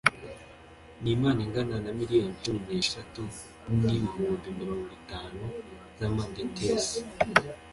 n impano ingana na miliyoni cumi n eshatu n ibihumbi mirongo itanu z amadetesi